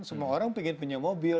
semua orang pengen punya mobil